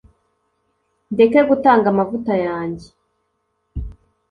ndeke gutanga amavuta yanjye